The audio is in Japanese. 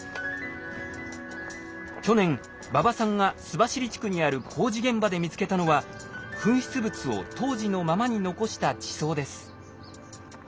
去年馬場さんが須走地区にある工事現場で見つけたのは噴出物を当時のままに残した地層です。